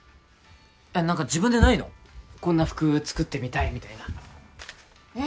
いや何か自分でないの？こんな服作ってみたいみたいなええ